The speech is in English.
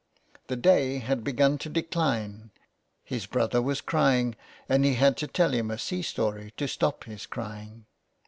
The day had begun to decline, his brother was crying, and he had to tell him a sea story to stop his crying.